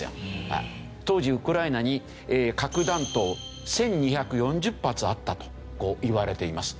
当時ウクライナに核弾頭１２４０発あったといわれています。